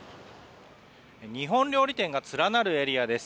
日本料理店が連なるエリアです。